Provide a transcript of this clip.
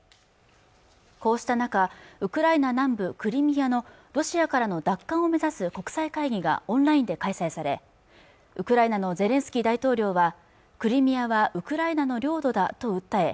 こうした中ウクライナ南部クリミアのロシアからの奪還を目指す国際会議がオンラインで開催されウクライナのゼレンスキー大統領はクリミアはウクライナの領土だと訴え